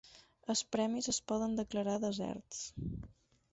Els premis es poden declarar deserts.